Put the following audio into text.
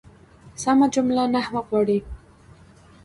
سمه جمله نحوه غواړي.